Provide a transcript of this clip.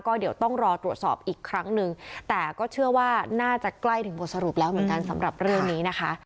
ก็เดี๋ยวต้องรอตรวจสอบอีกครั้งหนึ่งแต่ก็เชื่อว่าน่าจะใกล้ถึงบทสรุปแล้วเหมือนกันสำหรับเรื่องนี้นะคะ